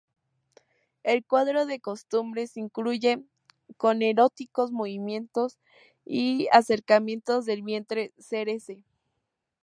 El cuadro de costumbres concluye con eróticos movimientos y acercamientos del vientre sere se.